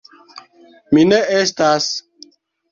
mi ne estas.